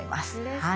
はい。